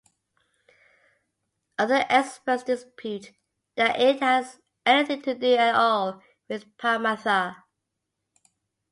Other experts dispute that it has anything to do at all with Paramartha.